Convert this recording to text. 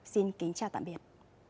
xin kính chào tạm biệt